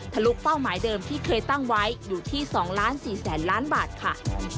ลุเป้าหมายเดิมที่เคยตั้งไว้อยู่ที่๒๔๐๐๐ล้านบาทค่ะ